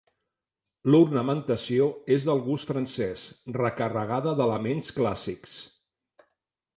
L'ornamentació és del gust francés, recarregada d'elements clàssics.